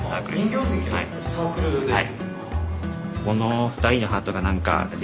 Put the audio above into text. はい。